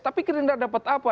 tapi gerindas dapat apa